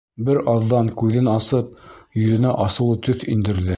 Бер аҙҙан күҙен асып йөҙөнә асыулы төҫ индерҙе: